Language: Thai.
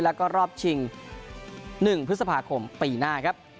แล้วก็รอบชิง๑พฤษภาคมปีหน้าครับ